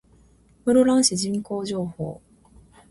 室蘭市人口情報